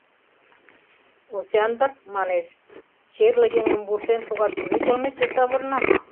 — Осяндр, — манеш, — черле еҥым вурсен шогаш кузе йылметше савырна?